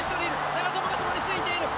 長友がそこについている。